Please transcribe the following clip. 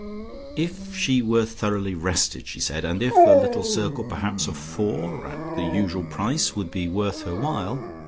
"If she were thoroughly rested," she said, "and if a little circle perhaps of four, at the usual price would be worth her while.